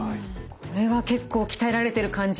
これは結構鍛えられている感じを。